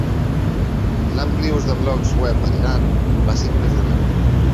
L'ampli ús de blogs web a l'Iran, va ser impressionant.